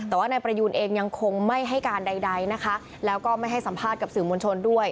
แต่ว่านายประยูนเองยังคงไม่ให้การใดนะคะแล้วก็ไม่ให้สัมภาษณ์กับสื่อมวลชนด้วย